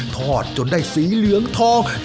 ทอดจนได้สีเหลืองทอง